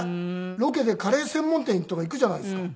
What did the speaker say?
ロケでカレー専門店とか行くじゃないですか。